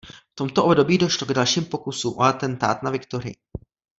V tomto období došlo k dalším pokusům o atentát na Viktorii.